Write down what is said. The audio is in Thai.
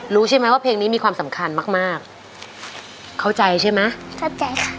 รู้ใช่ไหมว่าเพลงนี้มีความสำคัญมากมากเข้าใจใช่ไหมเข้าใจค่ะ